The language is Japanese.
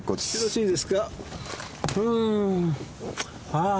ああ！